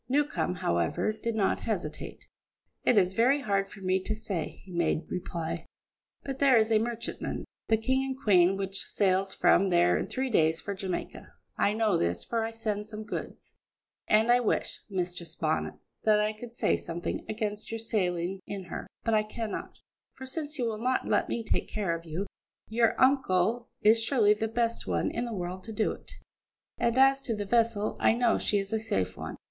Newcombe, however, did not hesitate. "It is very hard for me to say," he made reply, "but there is a merchantman, the King and Queen, which sails from here in three days for Jamaica. I know this, for I send some goods; and I wish, Mistress Bonnet, that I could say something against your sailing in her, but I cannot; for, since you will not let me take care of you, your uncle is surely the best one in the world to do it; and as to the vessel, I know she is a safe one."